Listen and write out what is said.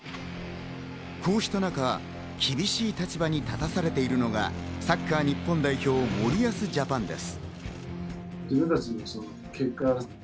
こうした中、厳しい立場に立たされているのがサッカー日本代表、森保ジャパンです。